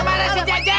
kemana si jejen